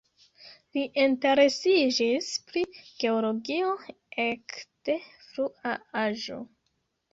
Li interesiĝis pri geologio ek de frua aĝo.